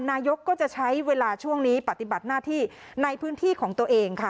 นายกก็จะใช้เวลาช่วงนี้ปฏิบัติหน้าที่ในพื้นที่ของตัวเองค่ะ